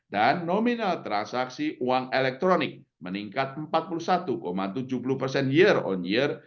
dan nominal transaksi uang elektronik meningkat empat puluh satu tujuh puluh year on year